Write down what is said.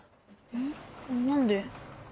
えっ何で？